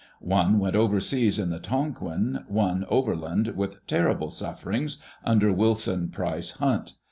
One went overseas in the Tonquin, one overland, with terrible sufferings, under Wilson Price Hunt.